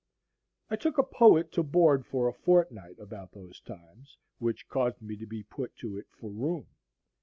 I took a poet to board for a fortnight about those times, which caused me to be put to it for room.